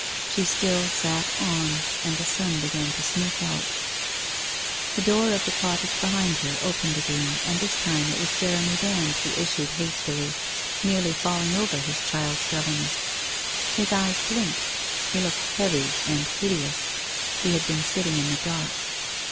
She still sat on, and the sun began to sneak out. The door of the cottage behind her opened again and this time it was Jeremy Dand who issued hastily, nearly falling over his child's governess. His eyes blinked, he looked heavy and hideous. He had been sitting in the dark.